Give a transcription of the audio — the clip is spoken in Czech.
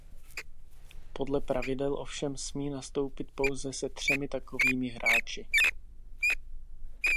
Podle pravidel ovšem smí nastoupit pouze se třemi takovými hráči.